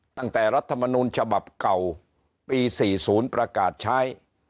ตั้งแต่รัฐธรรมนูญฉบับเก่าปี๔๐ประกาศใช้